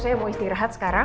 saya mau istirahat sekarang